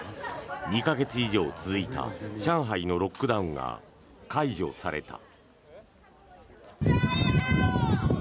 ２か月以上続いた上海のロックダウンが解除された。